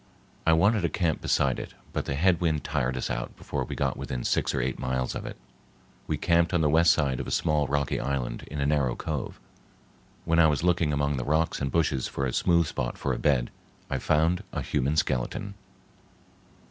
I wanted to camp beside it but the head wind tired us out before we got within six or eight miles of it. We camped on the west side of a small rocky island in a narrow cove. When I was looking among the rocks and bushes for a smooth spot for a bed, I found a human skeleton.